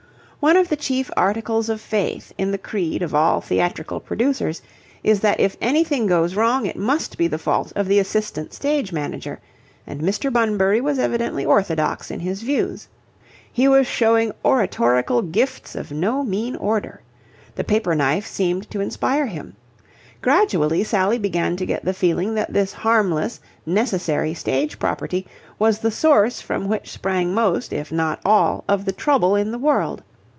One of the chief articles of faith in the creed of all theatrical producers is that if anything goes wrong it must be the fault of the assistant stage manager and Mr. Bunbury was evidently orthodox in his views. He was showing oratorical gifts of no mean order. The paper knife seemed to inspire him. Gradually, Sally began to get the feeling that this harmless, necessary stage property was the source from which sprang most, if not all, of the trouble in the world.